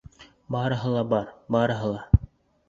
Барыһы ла бар, барыһы ла.